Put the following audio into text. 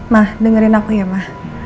ma dengerin aku ya ma